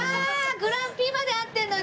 「グランピ」まで合ってる？